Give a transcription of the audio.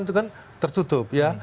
itu kan tertutup ya